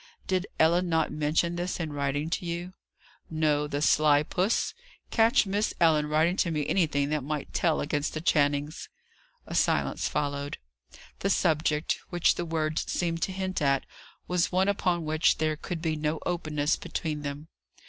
"Did Ellen not mention this, in writing to you?" "No; the sly puss! Catch Miss Ellen writing to me anything that might tell against the Channings." A silence followed. The subject, which the words seemed to hint at, was one upon which there could be no openness between them.